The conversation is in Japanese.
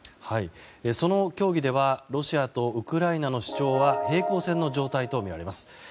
その協議ではロシアとウクライナの主張は平行線の状態とみられます。